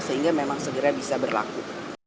sehingga memang segera bisa berlaku